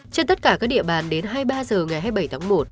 trên tất cả các địa bàn đến hai mươi ba h ngày hai mươi bảy tháng một